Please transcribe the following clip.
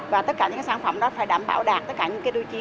và tất cả những cái sản phẩm đó phải đảm bảo đạt tất cả những cái đối chí